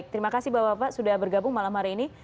terima kasih sudah bergabung malam hari ini